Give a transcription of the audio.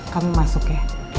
kamu masuk ya